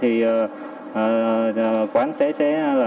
tôi đối với anh em